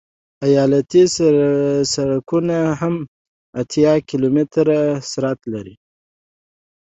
ایالتي سرکونه هم اتیا کیلومتره سرعت لري